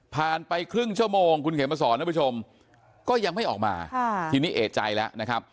ไปครึ่งชั่วโมงคุณเขมสอนท่านผู้ชมก็ยังไม่ออกมาทีนี้เอกใจแล้วนะครับ